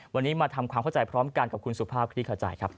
วันนี้มาทำความเข้าใจพร้อมกันกับคุณสุภาพคลี่ขจายครับ